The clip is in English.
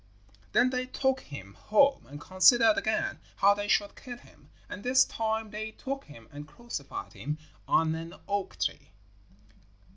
Then they took him home and considered again how they should kill him, and this time they took him and crucified him on an oak tree.